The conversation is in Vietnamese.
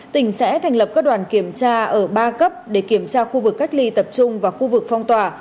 tỉnh sẽ thành lập các đoàn kiểm tra ở ba cấp để kiểm tra khu vực cách ly tập trung và khu vực phong tỏa